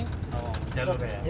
oh jalur ya